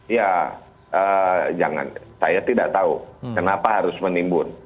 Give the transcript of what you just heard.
ya jangan saya tidak tahu kenapa harus menimbun